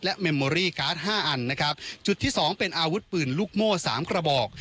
และเมมโมรี่การดส์ห้าครับจุดที่สองเป็นอาวุธปืนลูกโมสามกระบอก